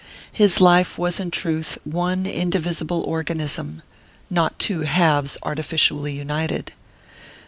His life was in truth one indivisible organism, not two halves artificially united.